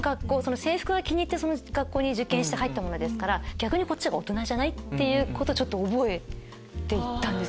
制服が気に入ってその学校に受験して入ったものですから逆にこっちが大人じゃない？ってことを覚えてったんです。